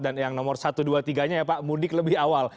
dan yang nomor satu dua tiganya ya pak mudik lebih awal